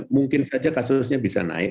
mungkin saja kasusnya bisa naik